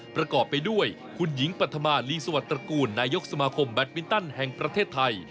ประกอบไปด้วยคุณหญิงปัธมาลีสวัสดิตระกูลนายกสมาคมแบตมินตันแห่งประเทศไทย